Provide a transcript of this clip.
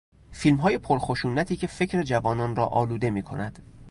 فیلمهای پرخشونتی که فکر جوانان را آلوده میکند